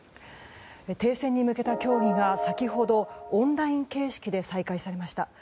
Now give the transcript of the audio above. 停戦に向けた協議が先ほどオンライン形式で再開されました。